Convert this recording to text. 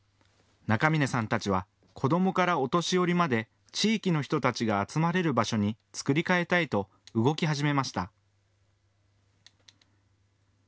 中峰さんたちは子どもからお年寄りまで地域の人たちが集まれる場所に作り替えたいと動き始めました。